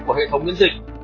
của hệ thống biễn dịch